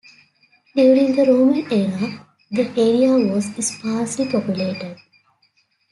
During the Roman era, the area was sparsely populated.